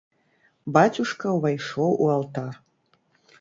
Бацюшка ўвайшоў у алтар.